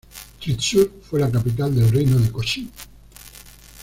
Thrissur fue la capital del reino de Cochín.